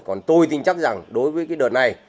còn tôi tin chắc rằng đối với cái đợt này